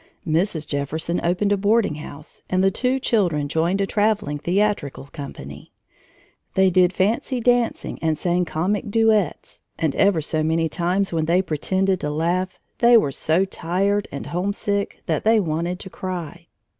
Mrs. Jefferson opened a boarding house, and the two children joined a traveling theatrical company. They did fancy dancing and sang comic duets, and ever so many times when they pretended to laugh, they were so tired and homesick that they wanted to cry.